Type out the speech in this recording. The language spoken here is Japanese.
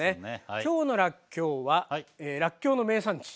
きょうのらっきょうはらっきょうの名産地